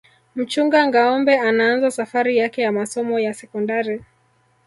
mchunga ngâombe anaanza safari yake ya masomo ya sekondari